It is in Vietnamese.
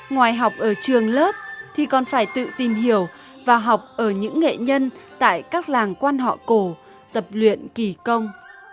ngoài học ở trường lớp thì còn phải tự tìm hiểu và học ở những nghệ nhân tại các làng quan họ cổ tập luyện kỳ công